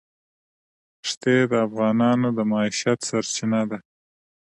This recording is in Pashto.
ښتې د افغانانو د معیشت سرچینه ده.